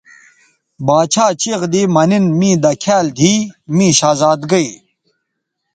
باڇھا چیغ دی مہ نِن می دکھیال دیھی می شہزادئ